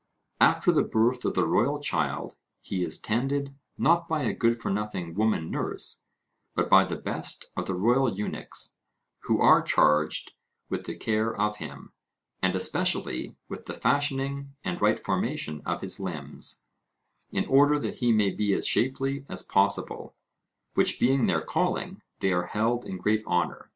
After the birth of the royal child, he is tended, not by a good for nothing woman nurse, but by the best of the royal eunuchs, who are charged with the care of him, and especially with the fashioning and right formation of his limbs, in order that he may be as shapely as possible; which being their calling, they are held in great honour.